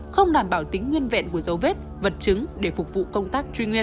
không đảm bảo tính nguyên vẹn của dấu vết vật chứng để phục vụ công tác truy nguyên